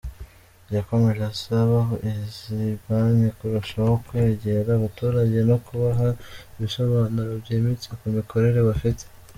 Yakomeje asaba izi banki kurushaho kwegera abaturage no kubaha ibisobanuro byimbitse ku mikorere bafite.